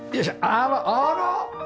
あらあら！